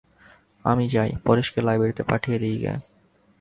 আমি যাই, পরেশকে লাইব্রেরিতে পাঠিয়ে দিই গে।